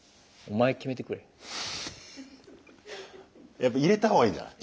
やっぱ入れた方がいいんじゃない？